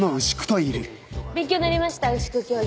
勉強になりました牛久教授。